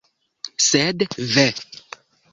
Sed, ve!